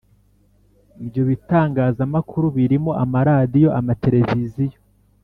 Ibyo bitangazamakuru birimo amaradiyo amateleviziyo